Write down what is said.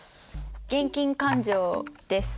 現金勘定ですね。